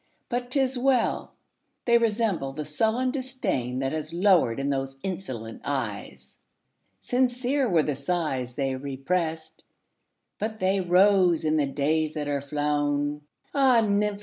But 't is well!—they resemble the sullen disdainThat has lowered in those insolent eyes. Sincere were the sighs they represt, But they rose in the days that are flown! Ah, nymph!